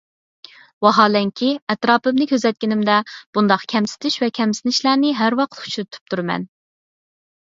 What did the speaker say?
ۋاھالەنكى، ئەتراپىمنى كۆزەتكىنىمدە بۇنداق كەمسىتىش ۋە كەمسىنىشلەرنى ھەر ۋاقىت ئۇچرىتىپ تۇرىمەن.